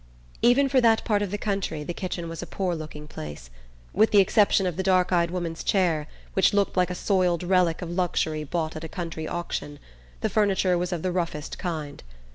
Even for that part of the country the kitchen was a poor looking place. With the exception of the dark eyed woman's chair, which looked like a soiled relic of luxury bought at a country auction, the furniture was of the roughest kind.